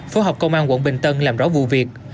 phố học công an quận bình tân làm rõ vụ việc